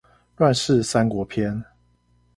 亂世三國篇